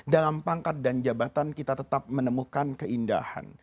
dalam pangkat dan jabatan kita tetap menemukan keindahan